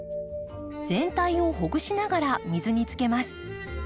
全体をほぐしながら水につけます。